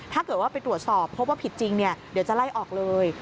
ถ้าเกิดว่าไปตรวจสอบพบว่าผิดจริงเดี๋ยวจะไล่ออกเลย